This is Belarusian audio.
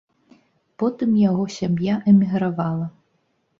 Потым яго сям'я эмігравала.